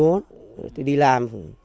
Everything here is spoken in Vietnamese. uống đi làm